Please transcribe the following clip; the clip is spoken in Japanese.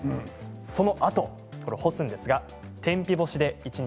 そのあと干すんですが天日干しで一日。